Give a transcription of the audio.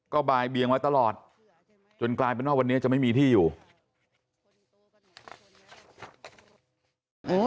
ก็บ่ายเบียงไว้ตลอดจนกลายเป็นว่าวันนี้จะไม่มีที่อยู่